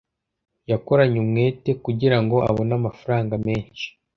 yakoranye umwete kugirango abone amafaranga menshi